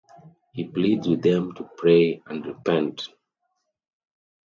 He pleads with them to pray and repent.